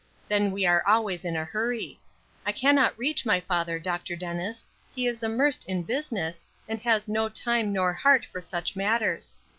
Then we are always in a hurry. I cannot reach my father, Dr. Dennis; he is immersed in business, and has no time nor heart for such matters.